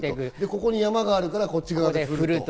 ここに山があるからこっちだけ降ると。